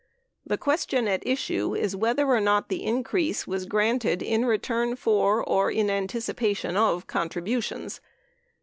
The question at issue is whether or not the increase was granted in return for or in anticipa tion of the contributions.